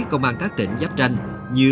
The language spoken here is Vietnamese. công an các tỉnh giáp tranh như